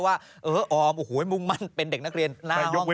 ว่าเออออมมุ่งมั่นเป็นเด็กนักเรียนหน้าห้องตั้งใจ